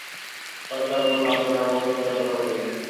তার কারণ হল আপনাকে আমন্ত্রণ জানানো হয়নি।